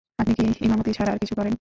আপনি কি ইমামতি ছাড়া আর কিছু করেন?